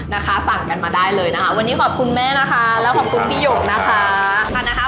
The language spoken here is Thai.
นะคะสั่งกันมาได้เลยนะคะวันนี้ขอบคุณแม่นะคะแล้วขอบคุณพี่หยกนะคะ